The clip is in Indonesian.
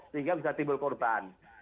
sehingga bisa timbul korban